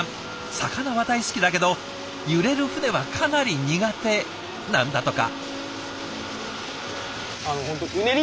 魚は大好きだけど揺れる船はかなり苦手なんだとか。